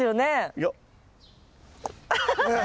いや。